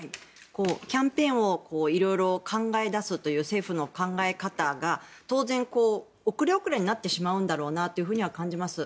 キャンペーンを色々考え出すという政府の考え方が当然遅れ遅れになってしまうんだろうなとは感じます。